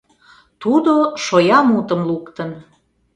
Тудо шоя мутым луктын.